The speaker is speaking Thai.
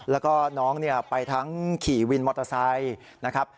แล้วก็น้องไปทั้งขี่วินมอเตอร์ไซค์นะครับ